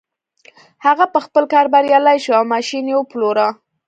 هغه په خپل کار بريالی شو او ماشين يې وپلوره.